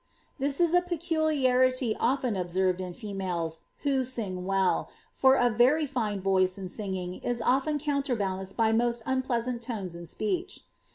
'^ This is a peculiarity often observed in females who sing well, for a very fine voice in singing is often counterbalanced by most unpleasant tones in speech.